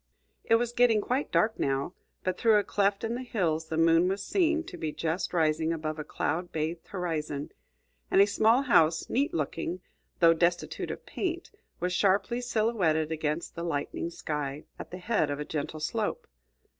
It was getting quite dark now, but through a cleft in the hills the moon was seen to be just rising above a cloud bathed horizon, and a small house, neat looking, though destitute of paint, was sharply silhouetted against the lightening sky, at the head of a gentle slope.